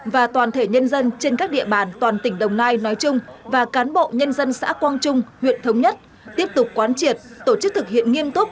và toàn thể nhân dân trên các địa bàn toàn tỉnh đồng nai nói chung và cán bộ nhân dân xã quang trung huyện thống nhất tiếp tục quán triệt tổ chức thực hiện nghiêm túc